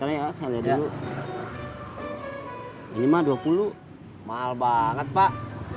ini mah dua puluh mahal banget pak